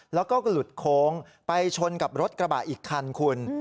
แล้วก็หลุดโค้งไปชนกับรถกระบะอีกคันคุณ